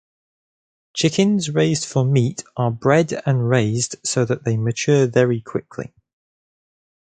Chickens raised for meat are bred and raised so that they mature very quickly.